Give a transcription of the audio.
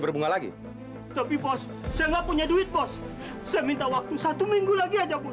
sampai jumpa di video selanjutnya